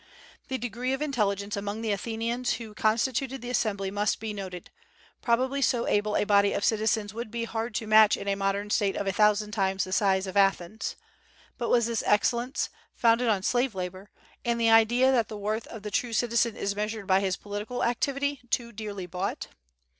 The degree of intelligence among the Athenians who constituted the assembly must be noted. Probably so able a body of citizens would be hard to match in a modern state of a thousand times the size of Athens. But was this excellence, founded on slave labor, and the idea that the worth of the true citizen is measured by his political activity too dearly bought?